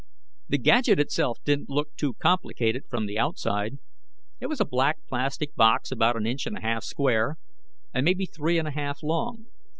The gadget itself didn't look too complicated from the outside. It was a black plastic box about an inch and a half square and maybe three and a half long.